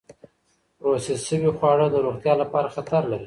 پروسس شوې خواړه د روغتیا لپاره خطر لري.